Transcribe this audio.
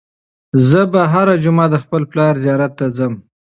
زه به هره جمعه د خپل پلار زیارت ته ځم.